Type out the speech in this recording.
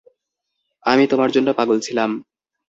আমি তোমার জন্য পাগল ছিলাম।